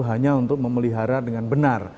hanya untuk memelihara dengan benar